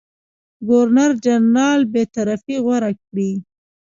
ګورنرجنرال بېطرفي غوره کړي.